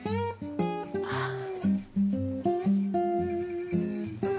ああ。